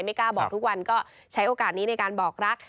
กล้าบอกทุกวันก็ใช้โอกาสนี้ในการบอกรัก